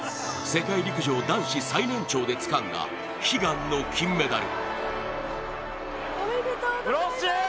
世界陸上男子最年長でつかんだ悲願の金メダル。